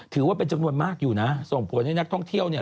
ถือว่าเป็นจำนวนมากอยู่นะส่งผลให้นักท่องเที่ยวเนี่ย